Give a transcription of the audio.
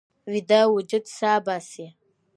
ویده وجود سا باسي